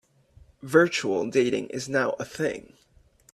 Virtual dating is now a thing.